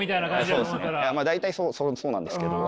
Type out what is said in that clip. いやまあ大体そうなんですけど。